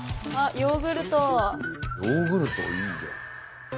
ヨーグルトいいじゃん。